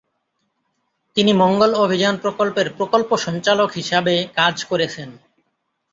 তিনি মঙ্গল অভিযান প্রকল্পের প্রকল্প সঞ্চালক হিসাবে কাজ করেছেন।